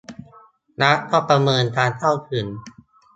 รัฐต้องประเมินการเข้าถึง